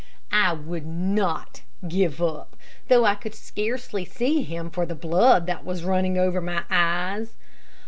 I would not give up, though I could scarcely see him for the blood that was running over my eyes.